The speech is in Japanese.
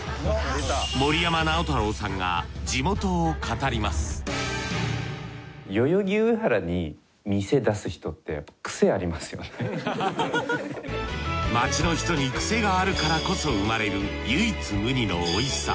森山直太朗さんが地元を語ります街の人に癖があるからこそ生まれる唯一無二のおいしさ。